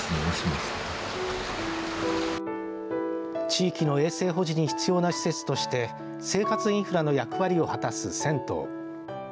地域の衛生保持に必要な施設として生活インフラの役割を果たす銭湯。